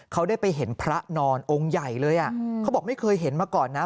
เขาได้ไปเห็นพระนอนองค์ใหญ่เลยอ่ะเขาบอกไม่เคยเห็นมาก่อนนะ